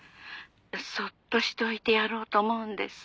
「そっとしておいてやろうと思うんです。